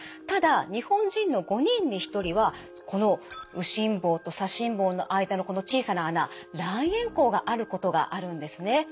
ただ日本人の５人に１人はこの右心房と左心房の間のこの小さな孔卵円孔があることがあるんですね。